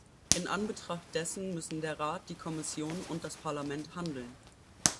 In Anbetracht dessen müssen der Rat, die Kommission und das Parlament handeln.